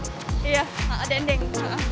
iya ada dendeng